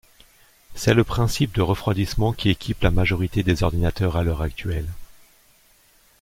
C'est le principe de refroidissement qui équipe la majorité des ordinateurs à l'heure actuelle.